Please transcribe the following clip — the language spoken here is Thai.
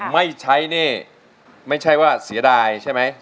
ไม่ใช้นี่ไม่ใช่ว่าเสียดายใช่ไหม